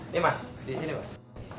ini mas di sini mas